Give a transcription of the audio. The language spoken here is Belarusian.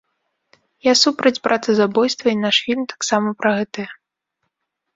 Я супраць братазабойства, і наш фільм таксама пра гэтае.